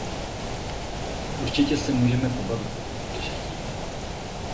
Určitě se můžeme o něčem pobavit, pokud budeš chtít.